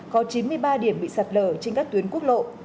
có chín mươi ba điểm bị sạt lở trên các tuyến quốc lộ